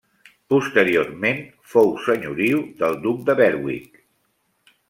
Posteriorment fou senyoriu del duc de Berwick.